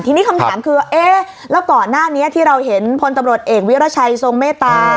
ทีนี้คำถามคือเอ๊ะแล้วก่อนหน้านี้ที่เราเห็นพลตำรวจเอกวิรัชัยทรงเมตตา